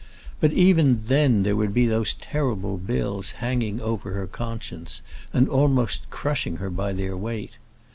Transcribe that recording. But even then there would be those terrible bills hanging over her conscience, and almost crushing her by their weight.